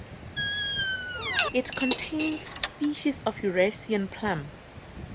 It contains species of Eurasian plum.